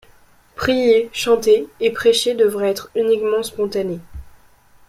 Prier, chanter et prêcher devraient être uniquement spontanés.